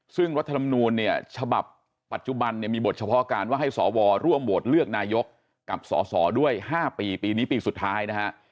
ซึ่งรัฐธรรมนูลเนี่ยฉบับปัจจุบันเนี่ยมีบทเฉพาะการว่าให้สวร่วมโหวตเลือกนายกกับสสด้วย๕ปีปีนี้ปีสุดท้ายนะฮะ